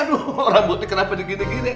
orang butik kenapa digini gini